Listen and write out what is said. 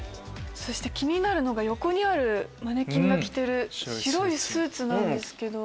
そして気になるのが横にあるマネキンが着てる白いスーツなんですけど。